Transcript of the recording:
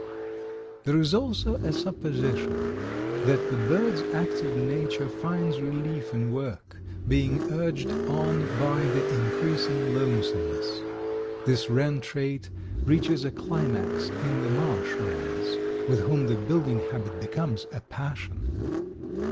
There is also a supposition that the bird's active nature finds relief in work, being urged on by the increasing lonesomeness. This wren trait reaches a climax in the marsh wrens, with whom the building habit becomes a passion.